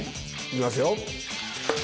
いきますよ。